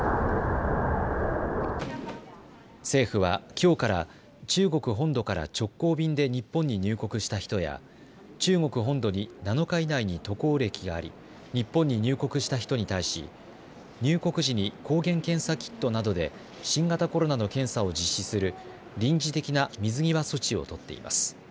政府はきょうから中国本土から直行便で日本に入国した人や中国本土に７日以内に渡航歴があり日本に入国した人に対し入国時に抗原検査キットなどで新型コロナの検査を実施する臨時的な水際措置を取っています。